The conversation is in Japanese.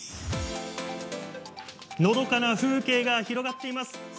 のどかな風景が広がっています。